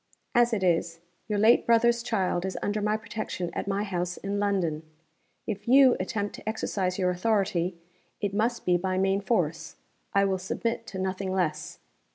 As it is, your late brother's child is under my protection at my house in London. If you attempt to exercise your authority, it must be by main force I will submit to nothing less.